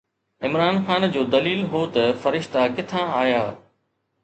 عمران خان جو دليل هو ته فرشتا ڪٿان آيا؟